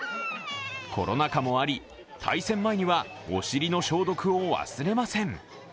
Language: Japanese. コロナ禍もあり対戦前にはお尻の消毒を忘れません。